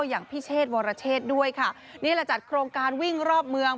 อย่างพี่เชษวรเชษด้วยค่ะนี่แหละจัดโครงการวิ่งรอบเมือง